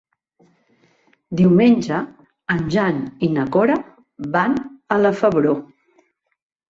Diumenge en Jan i na Cora van a la Febró.